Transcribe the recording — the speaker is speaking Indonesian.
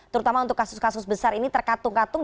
terutama untuk kasus kasus besar ini terkatung katung